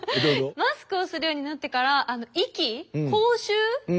マスクをするようになってから息？